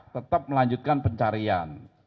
tetap melanjutkan pencarian